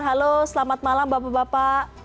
halo selamat malam bapak bapak